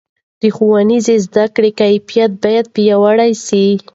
د ښوونځیو د زده کړو کیفیت باید پیاوړی سي.